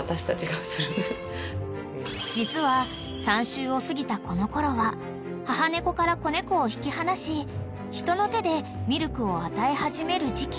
［実は３週を過ぎたこのころは母猫から子猫を引き離し人の手でミルクを与え始める時期］